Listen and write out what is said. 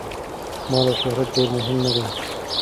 مال او شهرت ډېر مهم نه دي.